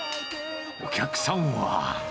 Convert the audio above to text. お客さんは？